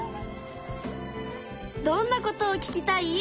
どんなことを聞きたい？